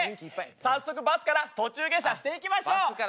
早速バスから途中下車していきましょう。